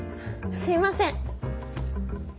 すいません。